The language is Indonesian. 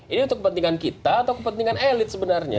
ini untuk kepentingan kita atau kepentingan elit sebenarnya